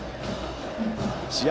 試合